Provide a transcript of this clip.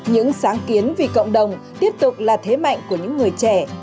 những sáng kiến vì cộng đồng tiếp tục là thế mạnh của những người trẻ